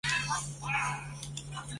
一宫町是千叶县长生郡的一町。